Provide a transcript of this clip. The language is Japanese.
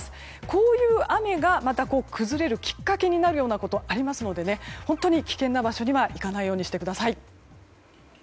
こういう雨がまた崩れるきっかけになることがありますので危険な場所には行かないようにしてください。